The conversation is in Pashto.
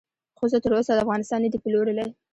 ښځو تر اوسه افغانستان ندې پلورلی